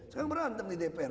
sekarang berantem di dpr